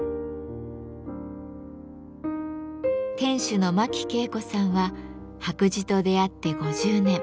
店主の真木啓子さんは白磁と出会って５０年。